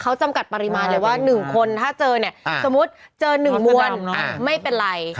เขาจำกัดปริมาณเลยว่า๑คนถ้าเจอเนี่ยสมมุติเจอ๑มวลไม่เป็นไร